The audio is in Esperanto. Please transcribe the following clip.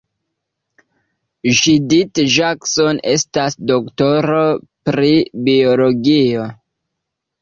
Judith Jackson estas doktoro pri biologio.